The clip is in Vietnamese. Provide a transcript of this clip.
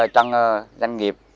tăng danh nghiệp